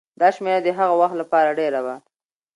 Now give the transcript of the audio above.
دا شمېره د هغه وخت لپاره ډېره وه.